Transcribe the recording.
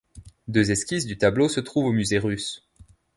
Deux esquisses du tableau se trouvent au Musée russe.